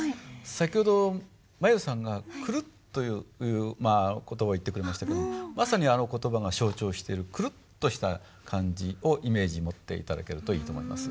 先ほど舞悠さんが「くるっ」という言葉を言ってくれましたけどもまさにあの言葉が象徴してるくるっとした感じをイメージ持って頂けるといいと思います。